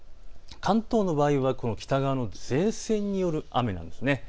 関東の場合は北側の前線による雨なんです。